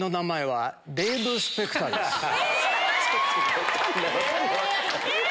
⁉分かんない！